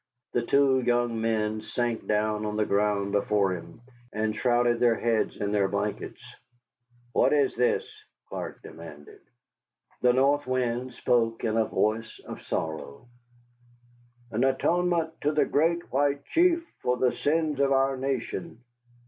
The two young men sank down on the ground before him and shrouded their heads in their blankets. "What is this?" Clark demanded. The North Wind spoke in a voice of sorrow: "An atonement to the Great White Chief for the sins of our nation.